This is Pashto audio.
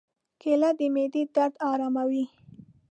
کېله د معدې درد آراموي.